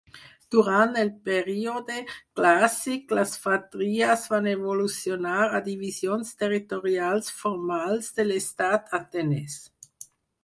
Durant el període clàssic, les fratries van evolucionar a divisions territorials formals de l'Estat atenès.